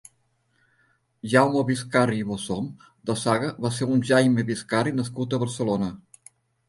Jaume Biscarri i Bossom de Saga va ser un jaime Biscarri nascut a Barcelona.